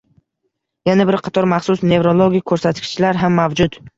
Yana bir qator maxsus nevrologik ko‘rsatkichlar ham mavjud